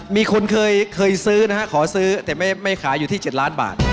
มีคนเคยซื้อนะฮะขอซื้อแต่ไม่ขายอยู่ที่๗ล้านบาท